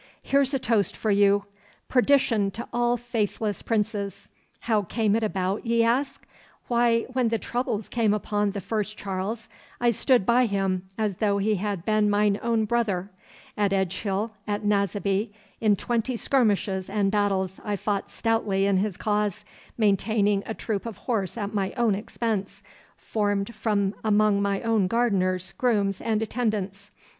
'Here's a toast for you! Perdition to all faithless princes! How came it about, ye ask? Why, when the troubles came upon the first Charles, I stood by him as though he had been mine own brother. At Edgehill, at Naseby, in twenty skirmishes and battles, I fought stoutly in his cause, maintaining a troop of horse at my own expense, formed from among my own gardeners, grooms, and attendants.